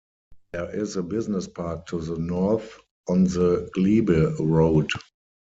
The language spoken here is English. There is a business park to the north, on the Glebe Road.